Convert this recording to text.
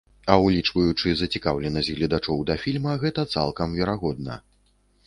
А ўлічваючы зацікаўленасць гледачоў да фільма, гэта цалкам верагодна.